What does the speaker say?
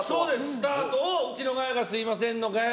スタートをうちのガヤがすみませんのガヤ